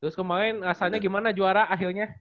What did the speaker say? terus kemarin rasanya gimana juara akhirnya